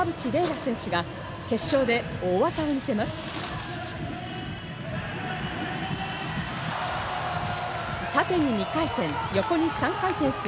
楽選手が決勝で大技を見せます。